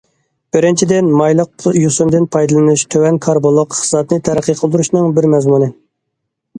بىرىنچىدىن، مايلىق يۈسۈندىن پايدىلىنىش تۆۋەن كاربونلۇق ئىقتىسادنى تەرەققىي قىلدۇرۇشنىڭ بىر مەزمۇنى.